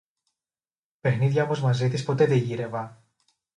Παιχνίδια όμως μαζί της ποτέ δε γύρευα